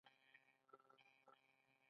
د احساساتو بیان په مصنوعي لغتونو نه کیږي.